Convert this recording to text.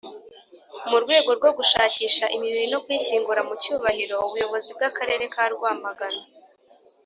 Mu rwego rwo gushakisha imibiri no kuyishyingura mu cyubahiro ubuyobozi bw akarere ka rwamagana